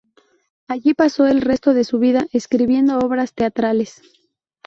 Allí pasó el resto de su vida, escribiendo obras teatrales.